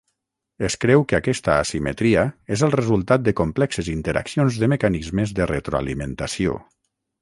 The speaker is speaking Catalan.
Es creu que aquesta asimetria és el resultat de complexes interaccions de mecanismes de retroalimentació.